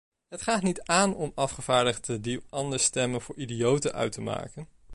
Het gaat niet aan om afgevaardigden die anders stemmen voor idioten uit te maken.